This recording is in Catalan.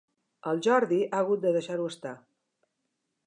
El Jordi ha hagut de deixar-ho estar.